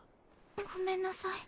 ごめんなさい。